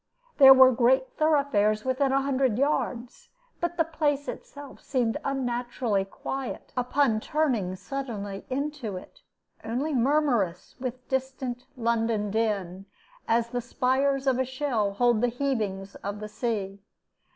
There were great thoroughfares within a hundred yards, but the place itself seemed unnaturally quiet upon turning suddenly into it, only murmurous with distant London din, as the spires of a shell hold the heavings of the sea.